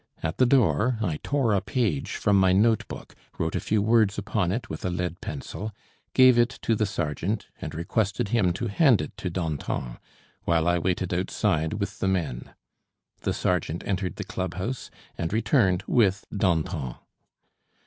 At the door I tore a page from my note book, wrote a few words upon it with a lead pencil, gave it to the sergeant, and requested him to hand it to Danton, while I waited outside with the men. The sergeant entered the clubhouse and returned with Danton.